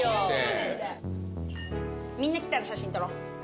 みんな来たら写真撮ろう。